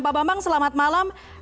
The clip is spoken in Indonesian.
pak bambang selamat malam